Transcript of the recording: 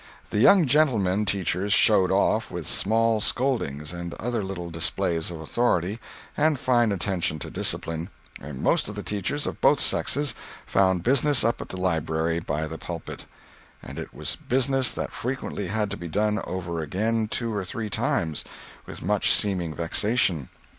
The young gentlemen teachers "showed off" with small scoldings and other little displays of authority and fine attention to discipline—and most of the teachers, of both sexes, found business up at the library, by the pulpit; and it was business that frequently had to be done over again two or three times (with much seeming vexation).